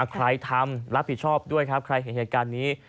ใครทำรับผิดชอบด้วยครับใครเห็นเหตุการณ์นี้